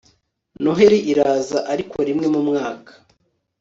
Noheri iraza ariko rimwe mu mwaka